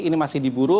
ini masih diburu